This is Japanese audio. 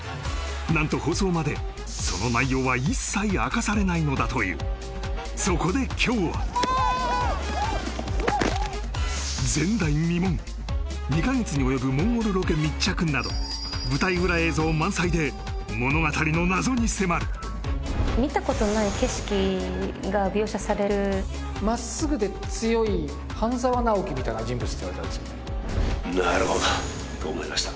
何と放送までその内容は一切明かされないのだというそこで今日は前代未聞２カ月に及ぶモンゴルロケ密着など舞台裏映像満載で物語の謎に迫る見たことない景色が描写されるまっすぐで強い半沢直樹みたいな人物って言われたんですよねなるほどと思いました